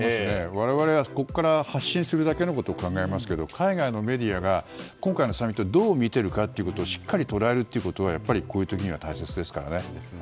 我々はここから発信することだけを考えますけど海外のメディアが今回のサミットをどう見てるかということをしっかり捉えるということがやっぱりこういう時には大切ですからね。